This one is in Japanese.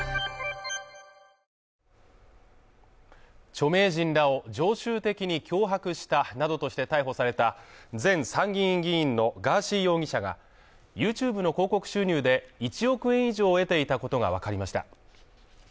著名人らを常習的に脅迫したなどとして逮捕された前参議院議員のガーシー容疑者がＹｏｕＴｕｂｅの広告収入で１億円以上を得ていたことがわかりました。